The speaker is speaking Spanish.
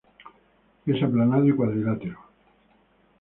Es aplanado y cuadrilátero.